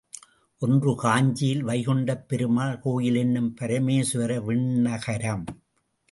ஒன்று காஞ்சியில் வைகுண்டப் பெருமாள் கோயில் என்னும் பரமேசுவர விண்ணகரம்.